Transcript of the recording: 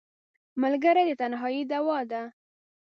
ملګری د تنهایۍ دواء ده